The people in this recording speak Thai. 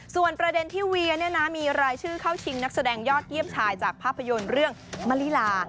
ส่วนประเด็นที่เวียมีรายชื่อเข้าชิงนักแสดงยอดเยี่ยมชายจากภาพยนตร์เรื่องมะลิลา